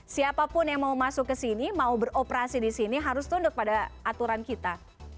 siapapun yang mau masuk ke sini mau beroperasi di sini harus tunduk pada aturan kita